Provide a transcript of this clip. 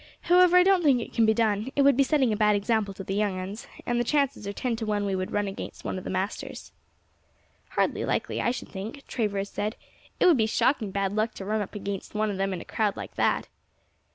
However, I don't think it can be done; it would be setting a bad example to the young uns, and the chances are ten to one we should run against one of the masters." "Hardly likely, I should think," Travers said; "it would be shocking bad luck to run against one of them in a crowd like that."